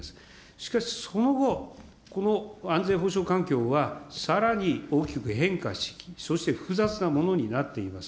しかし、その後、この安全保障環境はさらに大きく変化し、そして複雑なものになっています。